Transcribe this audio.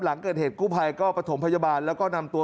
หลังเกิดเหตุกู้ภัยก็ประถมพยาบาลแล้วก็นำตัว